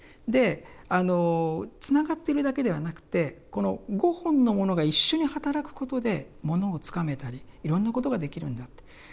でつながってるだけではなくてこの５本のものが一緒に働くことで物をつかめたりいろんなことができるんだって。